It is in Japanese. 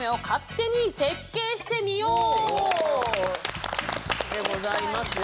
おお！でございますよ